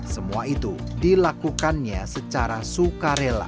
semua itu dilakukannya secara sukarela